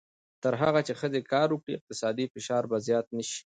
تر هغه چې ښځې کار وکړي، اقتصادي فشار به زیات نه شي.